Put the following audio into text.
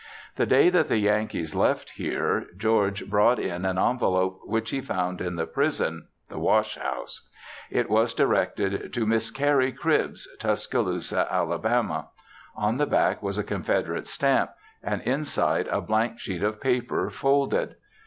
The day that the Yankees left here, George brought in an envelope which he found in the prison (the wash house). It was directed to "Miss Carrie Cribbs," Tuscaloosa, Ala. On the back was a Confederate stamp, and inside a blank sheet of paper folded.